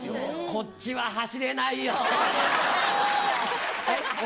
こっちは走れないよ。